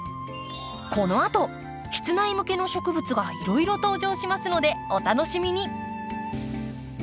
このあと室内向けの植物がいろいろ登場しますのでお楽しみに。